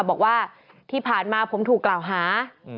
บอกว่าที่ผ่านมาผมถูกกล่าวหา